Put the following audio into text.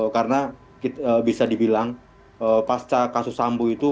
karena bisa dibilang pasca kasus sambu itu